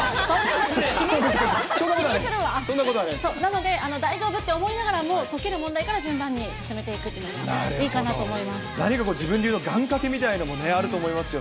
すみません、そんなことはななので、大丈夫って思いながら、解ける問題から順番に進めていくといいかなるほど、何か自分流の願掛けみたいなものもあると思いますけど。